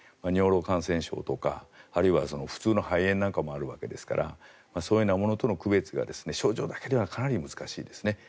尿路感染症とかあるいは普通の肺炎もあるわけですからそういうものとも区別が症状だけではかなり難しいですね。